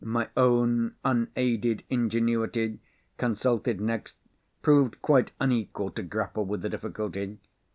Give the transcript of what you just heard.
My own unaided ingenuity, consulted next, proved quite unequal to grapple with the difficulty.